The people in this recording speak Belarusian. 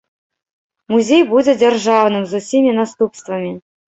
Музей будзе дзяржаўным з усімі наступствамі.